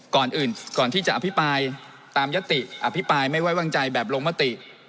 ก่อนอื่นก่อนที่จะอภิปายตามยศติอภิปายไม่ไว้วางใจแบบโรงพฤติ